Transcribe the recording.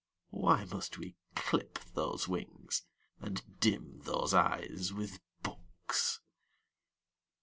why must we clip those wings and dim those eyes with books?